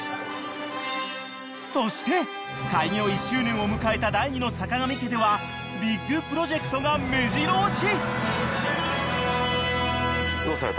［そして開業１周年を迎えた第２のさかがみ家ではビッグプロジェクトがめじろ押し］